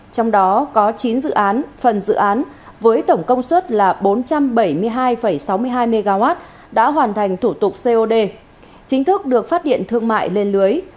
trong đó có chín dự án phần dự án với tổng công suất là bốn trăm bảy mươi hai sáu mươi hai mw đã hoàn thành thủ tục cod chính thức được phát điện thương mại lên lưới